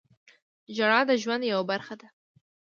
• ژړا د ژوند یوه برخه ده.